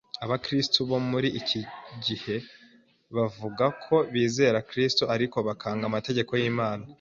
Abakristo bo muri iki gihe bavuga ko bizera Kristo, ariko bakanga amategeko y’Imana,